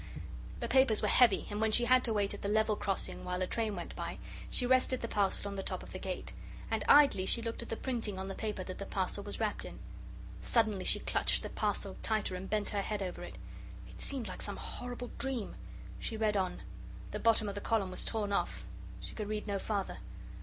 The papers were heavy, and when she had to wait at the level crossing while a train went by, she rested the parcel on the top of the gate. And idly she looked at the printing on the paper that the parcel was wrapped in. Suddenly she clutched the parcel tighter and bent her head over it. It seemed like some horrible dream. She read on the bottom of the column was torn off she could read no farther.